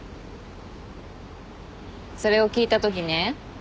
それを聞いたときね